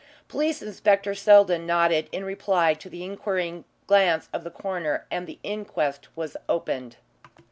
Police Inspector Seldon nodded in reply to the inquiring glance of the coroner, and the inquest was opened.